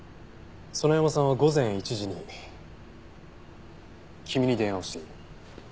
園山さんは午前１時に君に電話をしている。